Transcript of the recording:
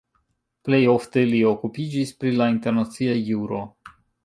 Plej ofte li okupiĝis pri la internacia juro.